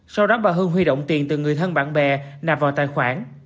sau đó bà hương huy động tiền từ người thân bạn bè nạp vào tài khoản